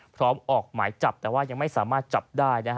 ออกหมายจับแต่ว่ายังไม่สามารถจับได้นะฮะ